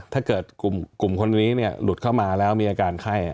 ถ้าเกิดกลุ่มคนนี้หลุดเข้ามาแล้วมีอาการไข้